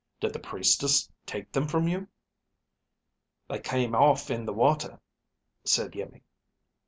Did the Priestess take them from you?" "They came off in the water," said Iimmi.